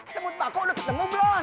semut baku lutut lembut blon